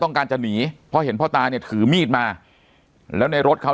การจะหนีเพราะเห็นพ่อตาเนี่ยถือมีดมาแล้วในรถเขา